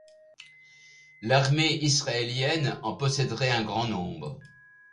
L'armée israélienne en posséderait un grand nombre.